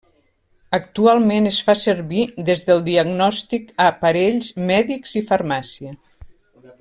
Actualment es fa servir des del diagnòstic a aparells mèdics i farmàcia.